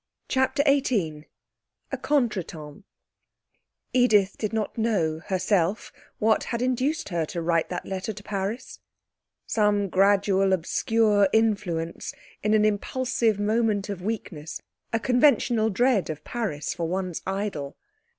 CHAPTER XVIII A Contretemps Edith did not know, herself, what had induced her to write that letter to Paris. Some gradual obscure influence, in an impulsive moment of weakness, a conventional dread of Paris for one's idol.